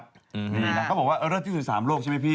นี่นะเขาบอกว่าเลิศที่สุด๓โลกใช่ไหมพี่